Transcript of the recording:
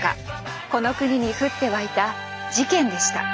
この国にふってわいた事件でした。